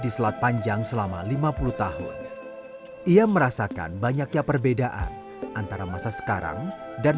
mereka juga menaruh berbagai persembahan di meja sembahyang